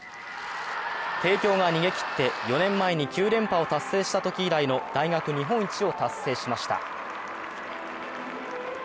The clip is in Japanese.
帝京が逃げ切って４年前に９連覇を達成したとき以来の大学日本一を達成しました。